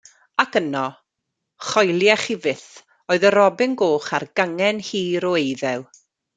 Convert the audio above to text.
Ac yno, choeliech chi fyth, oedd y robin goch ar gangen hir o eiddew.